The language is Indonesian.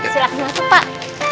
silahkan masuk pak